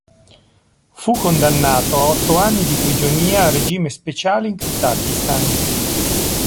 Fu condannato a otto anni di prigionia a regime speciale in Kazakistan.